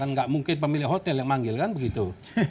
kan nggak mungkin pemilik hotel yang memanggil kan begitu